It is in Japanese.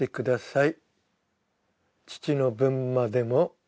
「父の分までも」